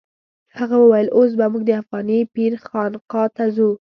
هغه وویل اوس به موږ د افغاني پیر خانقا ته ځو.